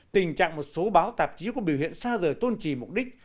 tình trạng một số báo tạp chí có biểu hiện xa rời tôn trì mục đích